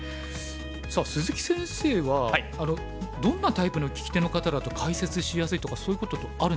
さあ鈴木先生はどんなタイプの聞き手の方だと解説しやすいとかそういうことあるんでしょうか？